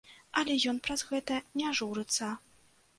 Але ён праз гэта не журыцца.